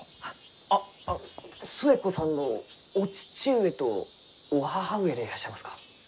あっ寿恵子さんのお父上とお母上でいらっしゃいますか？